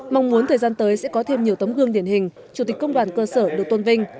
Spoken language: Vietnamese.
mong muốn thời gian tới sẽ có thêm nhiều tấm gương điển hình chủ tịch công đoàn cơ sở được tôn vinh